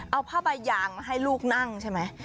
เอาผ้าใบยางมาให้ลูกนั่งใช่ไหม